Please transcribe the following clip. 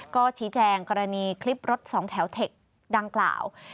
ก็ชี้แจงกรณีคลิปรถสองแถวเทคดังกล่าว